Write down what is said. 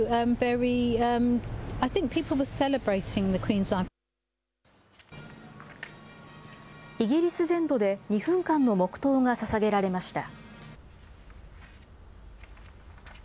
イギリス全土で２分間の黙とうがささげられました。